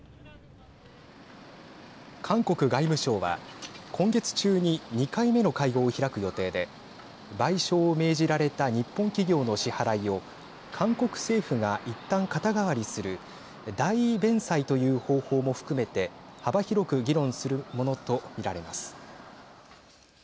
韓国外務省は今月中に２回目の会合を開く予定で賠償を命じられた日本企業の支払いを韓国政府がいったん肩代わりする代位弁済という方法も含めて幅広く議論するものと見られます。